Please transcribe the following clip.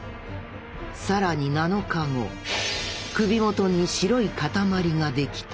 更に７日後首元に白い塊ができた。